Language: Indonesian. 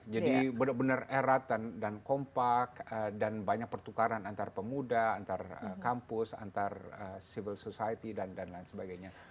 jadi benar benar erat dan kompak dan banyak pertukaran antar pemuda antar kampus antar civil society dan lain sebagainya